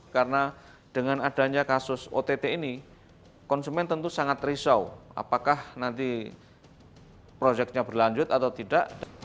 karena dengan adanya kasus ott ini konsumen tentu sangat risau apakah nanti proyeknya berlanjut atau tidak